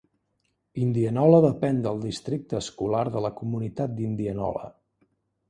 Indianola depèn del districte escolar de la comunitat d'Indianola.